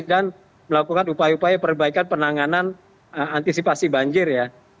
dan melakukan upaya upaya perbaikan penanganan antisipasi banjir ya